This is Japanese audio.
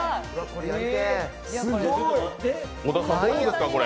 小田さん、もうですか、これ。